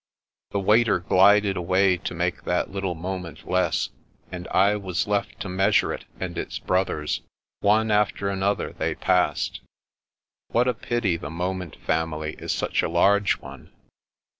The waiter glided away to make that little moment less, and I was left to measure it and its brothers. One after another they passed. What a pity the moment family is such a large one!